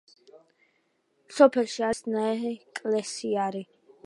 სოფელში არის წმინდა მარინეს ნაეკლესიარი.